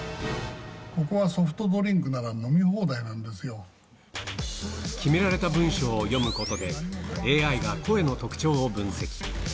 ここはソフトドリンクなら飲決められた文章を読むことで、ＡＩが声の特徴を分析。